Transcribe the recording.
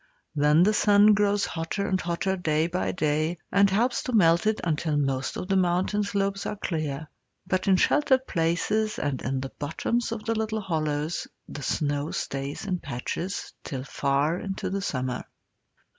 Then the sun grows hotter and hotter day by day, and helps to melt it until most of the mountain slopes are clear; but in sheltered places and in the bottoms of the little hollows the snow stays in patches till far into the summer.